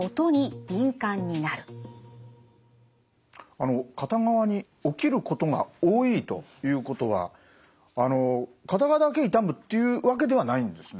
あの片側に起きることが多いということは片側だけ痛むっていうわけではないんですね。